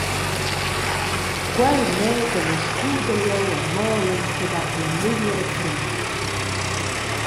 Quel medel e scudel jeu e molel ch’ei dat la megliera frina.